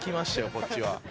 こっちは。